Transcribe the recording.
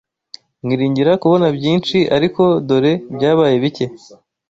Mwiringira kubona byinshi, ariko dore byabaye bike